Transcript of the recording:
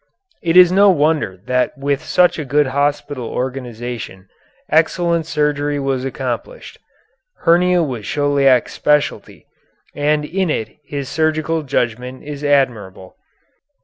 It is no wonder that with such a good hospital organization excellent surgery was accomplished. Hernia was Chauliac's specialty, and in it his surgical judgment is admirable.